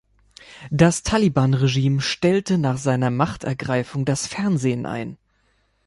Das Taliban-Regime stellte nach seiner Machtergreifung das Fernsehen ein.